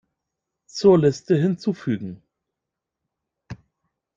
Zur Liste hinzufügen.